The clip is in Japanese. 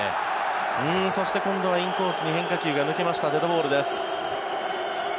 そして、今度はインコースに変化球が抜けましたデッドボールです。